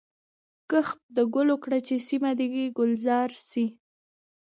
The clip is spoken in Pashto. کښت د ګلو کړه چي سیمه دي ګلزار سي